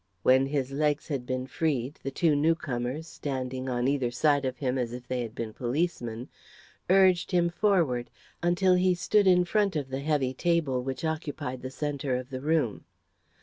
When his legs had been freed, the two newcomers, standing on either side of him as if they had been policemen, urged him forward, until he stood in front of the heavy table which occupied the centre of the room.